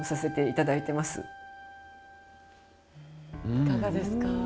いかがですか。